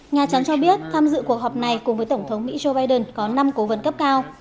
nhà trắng cho biết tham dự cuộc họp này cùng với tổng thống mỹ joe biden có năm cố vấn cấp cao